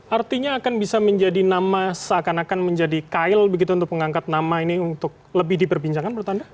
artinya akan bisa menjadi nama seakan akan menjadi kail begitu untuk mengangkat nama ini untuk lebih diperbincangkan menurut anda